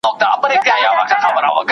چورمهداره یې واسکټ، ګرده لمنه